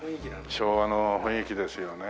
昭和の雰囲気ですよね。